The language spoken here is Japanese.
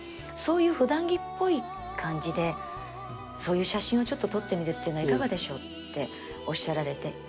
そういうふだん着っぽい感じでそういう写真をちょっと撮ってみるっていうのはいかがでしょう？」っておっしゃられて。